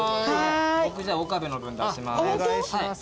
僕岡部の分出します。